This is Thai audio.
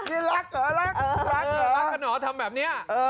นี่รักเหรอรักเหรอรักเหรอทำแบบเนี้ย